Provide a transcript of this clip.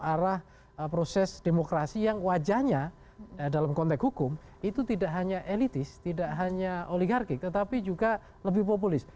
arah proses demokrasi yang wajahnya dalam konteks hukum itu tidak hanya elitis tidak hanya oligarkik tetapi juga lebih populis